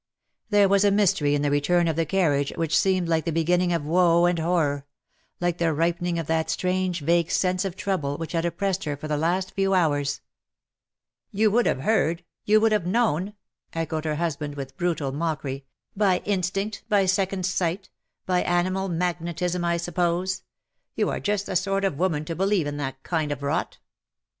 There was a mystery in the return of the carriage which seemed like the beginning of woe and horror — like the ripening of that strange vague sense of trouble which had oppressed her for the last few hours. "You would have heard — you would have known/^ echoed her husband, with brutual mockery — "by instinct, by second sight, by animal magnetism, ] suppose. You are just the sort of woman to believe in that kind of rot."